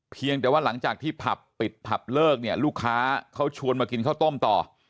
เพียงแต่ว่าหลังจากที่ผับปิดผับเลิกเนี่ยลูกค้าเขาชวนมากินข้าวต้มต่อ